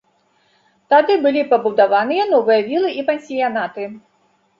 Тады былі пабудаваныя новыя вілы і пансіянаты.